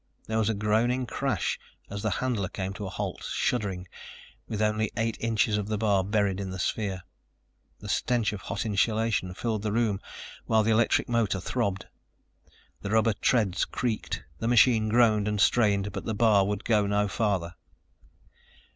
There was a groaning crash as the handler came to a halt, shuddering, with only eight inches of the bar buried in the sphere. The stench of hot insulation filled the room while the electric motor throbbed, the rubber treads creaked, the machine groaned and strained, but the bar would go no farther.